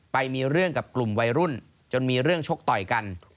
ไปมีเรื่องกับกลุ่มวัยรุ่นจนมีเรื่องชกต่อยกัน